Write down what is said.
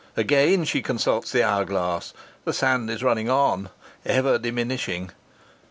Again she consults the hourglass. The sand is running on ever diminishing.